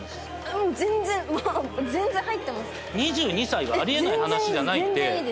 ２２歳はあり得ない話じゃないって。